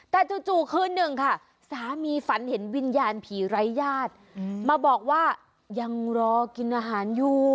แต่จู่คืนหนึ่งค่ะสามีฝันเห็นวิญญาณผีไร้ญาติมาบอกว่ายังรอกินอาหารอยู่